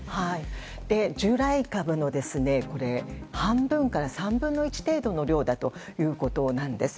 従来株の半分から３分の１程度の量だということなんです。